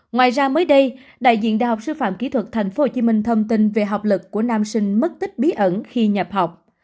ngoài ra mới đây đại diện đại học sư phạm kỹ thuật tp hcm thông tin về học lực của nam sinh mất tích bí ẩn khi nhập học